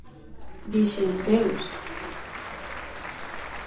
Dixen: Deus.